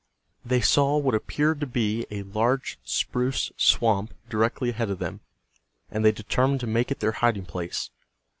They saw what appeared to be a large spruce swamp directly ahead of them, and they determined to make it their hiding place.